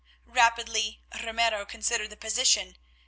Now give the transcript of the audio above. Rapidly Ramiro considered the position.